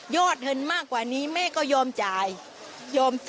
เงินมากกว่านี้แม่ก็ยอมจ่าย